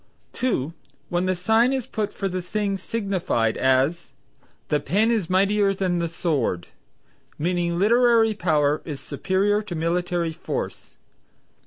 (2) when the sign is put for the thing signified; as, "The pen is mightier than the sword," meaning literary power is superior to military force.